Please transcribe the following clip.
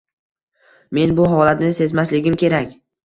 Men bu holatni sezmasligim kerak